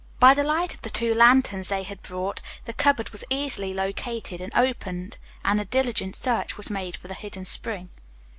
By the light of the two lanterns they had brought, the cupboard was easily located and opened and a diligent search was made for the hidden spring.